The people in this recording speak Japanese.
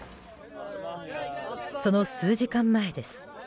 その数時間前です。